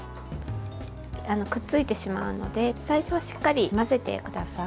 くっついてしまうので最初はしっかり混ぜてください。